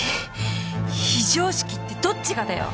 非常識ってどっちがだよ！？